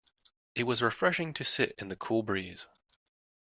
It was refreshing to sit in the cool breeze.